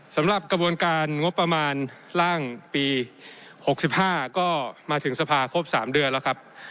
สำหรับกระบวนการงบประมาณร่างปี๖๕ก็มาถึงสภาครบ๓เดือนแล้วครับ